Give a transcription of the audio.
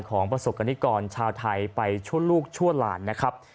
ของประสบกณิกลชาวไทยไปช่วงลูกช่วงหลานนะครับ